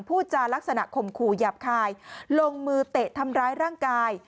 พูดจารักษณข่มขู่หยาบคายลงมือเตะทำร้ายร่างกาย